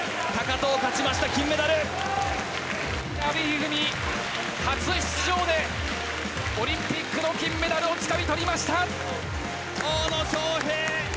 阿部一二三、初出場でオリンピックの金メダルをつかみ取りました。